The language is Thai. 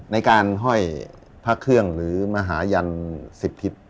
ในการห้อยผ้าเครื่องหรือมหายันสิบฤทธิสต์